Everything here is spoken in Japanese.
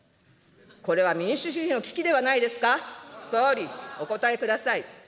これは民主主義の危機ではないですか、総理、お答えください。